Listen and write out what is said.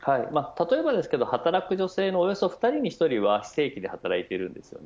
例えばですけど働く女性のおよそ２人に１人は非正規で働いています。